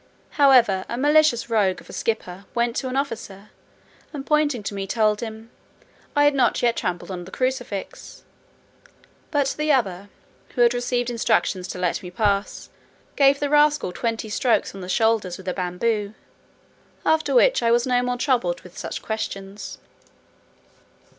However, a malicious rogue of a skipper went to an officer, and pointing to me, told him, "I had not yet trampled on the crucifix;" but the other, who had received instructions to let me pass, gave the rascal twenty strokes on the shoulders with a bamboo; after which I was no more troubled with such questions.